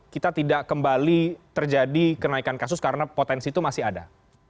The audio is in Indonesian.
kita tidak kembali terjadi kenaikan kasus karena potensi itu masih ada